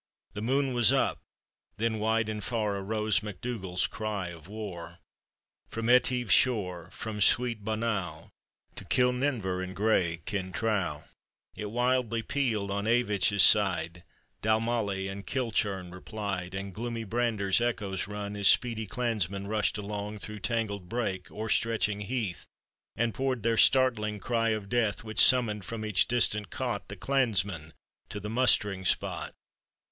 The moon was up ! then wide and fat Arose MacDougall's cry of war ; Prom Etive's shore, from sweet Bonaw, To Kilninver and gray Kintraw; It wildly pealed on Avich's side, Dalmally and Kilchurn replied, And gloomy Brander's echoes rung, As speedy clansmen rushed along Thro' tangled brake, o'er stretching heath, And poured their startling cry of death, "Which summoned from each distant cot The clansmen to the mustering spot.